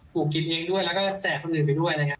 ปลูกกินเองด้วยแล้วก็แจกคนอื่นไปด้วยนะครับ